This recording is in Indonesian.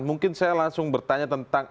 mungkin saya langsung bertanya tentang